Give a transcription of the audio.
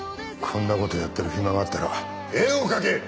こんな事やってる暇があったら絵を描け！